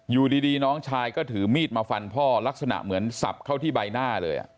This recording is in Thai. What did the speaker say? อยู่ดีน้องชายก็ถือมีดมาฟันพ่อลักษณะเหมือนสับเข้าที่ใบหน้าเลย